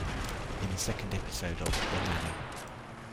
In the second episode of "The Nanny".